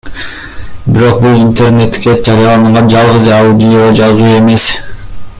Бирок бул интернетке жарыяланган жалгыз аудиожазуу эмес.